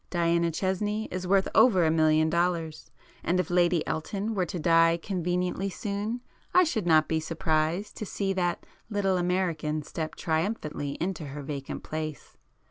Diana Chesney is worth over a million dollars and if Lady Elton were to die conveniently soon, I should not be surprised to see that 'little American' step triumphantly into her vacant place."